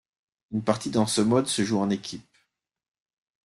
Une partie dans ce mode se joue en équipe.